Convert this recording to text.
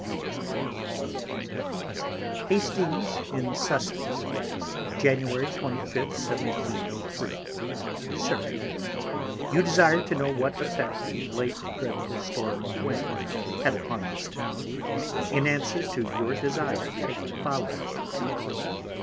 Reade. Hastings in Sussex, Jan. 25. 1703. SIR, You desire to know what effect the late dreadful Storm of Wind had upon this Town; in answer to your desire, take the following Account.